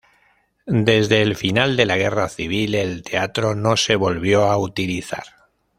Desde el final de la Guerra Civil el teatro no se volvió a utilizar.